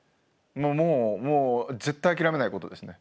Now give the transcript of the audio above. もう絶対諦めないことですね。